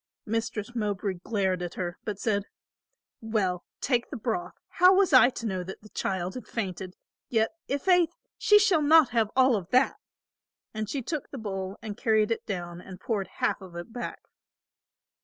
Mistress Mowbray glared at her, but said, "Well, take the broth; how was I to know the child had fainted? Yet i' faith she shall not have all of that," and she took the bowl and carried it down and poured half of it back.